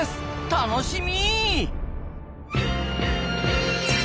楽しみ！